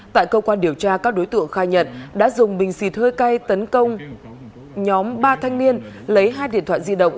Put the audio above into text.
tại cơ quan điều tra các đối tượng khai nhận đã dùng bình xịt hơi cay tấn công nhóm ba thanh niên lấy hai điện thoại di động